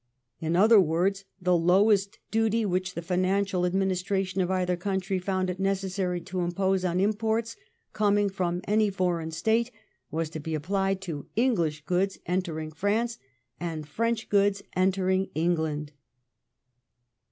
In other words, the lowest duty which the financial administration of either country found it necessary to impose on imports coming from any foreign State was to be applied to English goods entering France and French goods entering England.